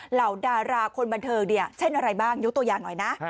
เหล่าดาราคนบันเทิงเนี่ยเช่นอะไรบ้างยกตัวอย่างหน่อยนะ